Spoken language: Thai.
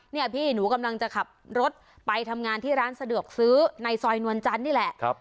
เนี่ยพี่หนูกำลังจะขับรถไปทำงานที่ร้านสะดวกซื้อในซอยนวลจันทร์นี่แหละ